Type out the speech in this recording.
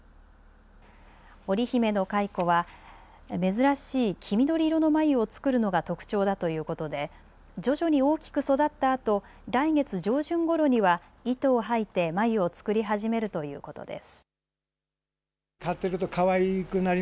おりひめの蚕は珍しい黄緑色の繭を作るのが特徴だということで徐々に大きく育ったあと来月上旬ごろには糸をはいて繭を作り始めるということです。